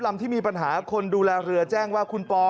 ลำที่มีปัญหาคนดูแลเรือแจ้งว่าคุณปอ